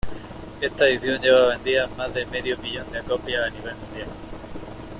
Esta edición lleva vendidas más de medio millón de copias a nivel mundial.